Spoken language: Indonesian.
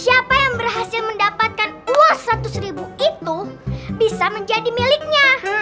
siapa yang berhasil mendapatkan uang seratus ribu itu bisa menjadi miliknya